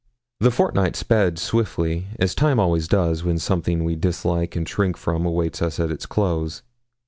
The fortnight sped swiftly, as time always does when something we dislike and shrink from awaits us at its close.